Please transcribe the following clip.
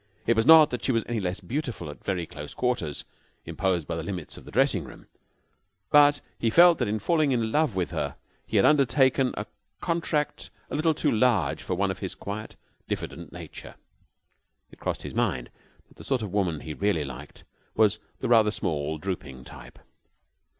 It was not that she was any less beautiful at the very close quarters imposed by the limits of the dressing room; but he felt that in falling in love with her he had undertaken a contract a little too large for one of his quiet, diffident nature. It crossed his mind that the sort of woman he really liked was the rather small, drooping type.